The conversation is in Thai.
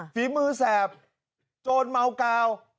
ฝีมือแสบโจรเมากาว